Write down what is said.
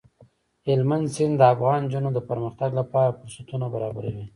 هلمند سیند د افغان نجونو د پرمختګ لپاره فرصتونه برابروي.